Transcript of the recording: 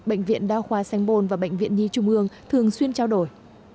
bệnh viện đa khoa sanh bồn và bệnh viện nhi trung ương thường xuyên trao đổi